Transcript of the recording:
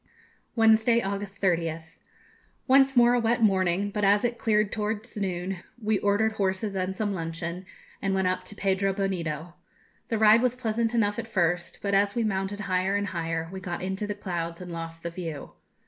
Wednesday, August 30th. Once more a wet morning; but as it cleared towards noon, we ordered horses and some luncheon, and went up to Pedro Bonito. The ride was pleasant enough at first, but as we mounted higher and higher, we got into the clouds and lost the view.